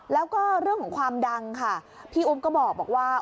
แล้วก็เรื่องของความดังค่ะพี่อุ๊บก็บอกว่า